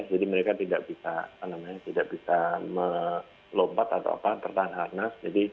jadi mereka tidak bisa melompat atau apa tertahan harnas